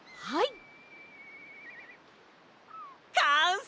はい。